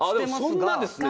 そんなですね